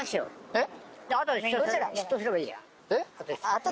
えっ？